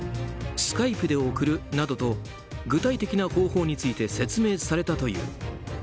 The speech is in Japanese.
スカイプで送るなどと具体的な方法について説明されたという。